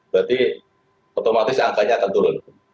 berarti otomatis angkanya akan turun